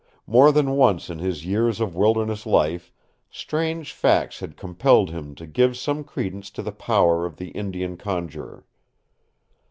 More than once in his years of wilderness life strange facts had compelled him to give some credence to the power of the Indian conjurer.